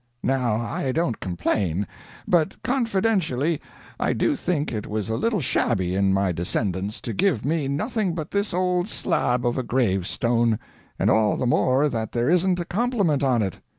Now I don't complain, but confidentially I DO think it was a little shabby in my descendants to give me nothing but this old slab of a gravestone and all the more that there isn't a compliment on it.